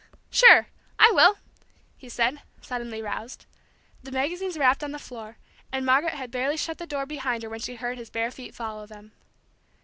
"Sure, I will!" he said, suddenly roused. The magazines rapped on the floor, and Margaret had barely shut the door behind her when she heard his bare feet follow them.